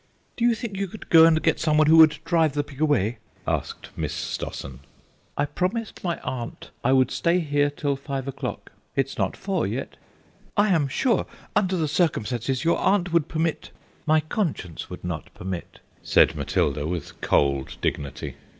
"Do you think you could go and get some one who would drive the pig away?" asked Miss Stossen. "I promised my aunt I would stay here till five o'clock; it's not four yet." "I am sure, under the circumstances, your aunt would permit—" "My conscience would not permit," said Matilda with cold dignity.